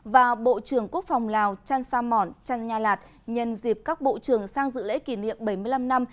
và bộ trưởng quốc phòng lào trăn sa mỏn trăn nha lạt nhân dịp các bộ trưởng sang dự lễ kỷ niệm bảy mươi năm năm